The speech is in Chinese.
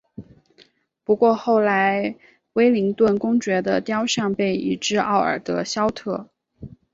不过后来威灵顿公爵的雕像被移至奥尔德肖特。